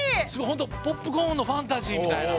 ほんとポップコーンのファンタジーみたいな。